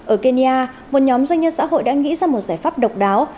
ở kenya một nhóm doanh nhân xã hội đã nghĩ ra một giải pháp độc đáo